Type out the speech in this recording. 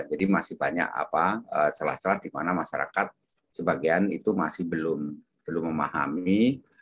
jadi masih banyak apa celah celah dimana masyarakat sebagian itu masih belum memahami